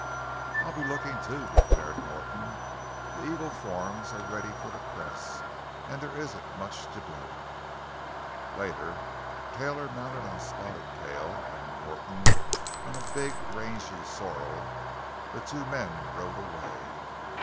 "I'll be looking, too," declared Norton. "The Eagle forms are ready for the press, and there isn't much to do." Later, Taylor, mounted on Spotted Tail, and Norton on a big, rangy sorrel, the two men rode away.